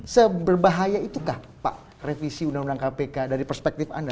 seberbahaya itukah pak revisi undang undang kpk dari perspektif anda